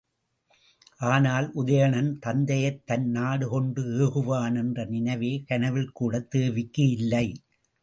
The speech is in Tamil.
ஆனால் உதயணன் தத்தையைத் தன் நாடு கொண்டு ஏகுவான் என்ற நினைவே கனவில் கூடத் தேவிக்கு இல்லை.